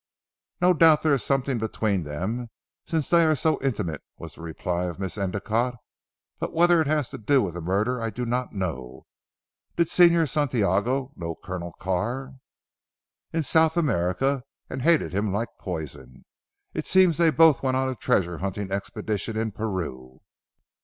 "No doubt there is something between them, since they are so intimate," was the reply of Miss Endicotte, "but whether it has to do with the murder I do not know. Did Señor Santiago know Colonel Carr?" "In South America, and hated him like poison. It seems they both went on a treasure hunting expedition in Peru."